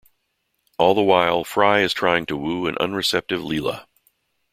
All the while, Fry is trying to woo an unreceptive Leela.